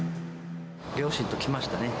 両親と来ましたね。